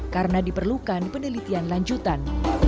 karena diperlukan penelitian lanjutan